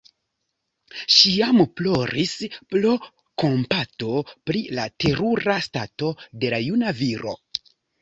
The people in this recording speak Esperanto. Ŝi jam ploris pro kompato pri la terura stato de la juna viro.